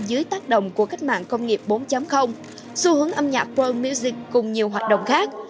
dưới tác động của cách mạng công nghiệp bốn xu hướng âm nhạc pro music cùng nhiều hoạt động khác